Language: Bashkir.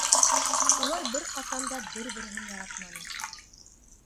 Улар бер ҡасан да бер-береһен яратманы.